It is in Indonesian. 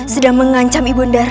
sedang mengancam ibu darah